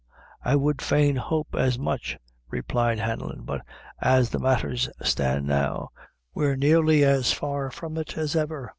"I would fain hope as much," replied Hanlon; "but as the matthers stand now, we're nearly as far from it as ever.